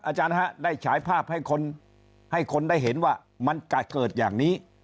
อาจารย์ฮะได้ฉายภาพให้คนให้คนได้เห็นว่ามันเกิดอย่างนี้